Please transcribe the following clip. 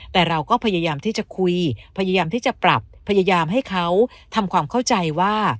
แต่เราก็พยายามที่จะคุยพยายามที่จะปรับพยายามให้เขาทำความเข้าใจว่า